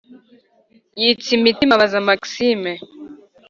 yitsa imitima abaza maxime